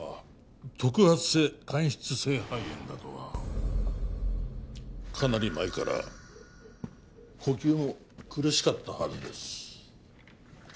特発性間質性肺炎だとはかなり前から呼吸も苦しかったはずです